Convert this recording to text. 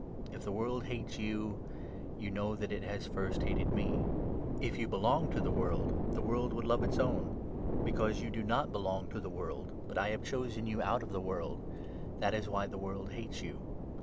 If the world hates 18 of Truth, you, you know that it has first hated me. If you 19 belonged to the world, the world would love its own. Be cause you do not belong to the world, but I have chosen you out of the world — that is why the world hates you.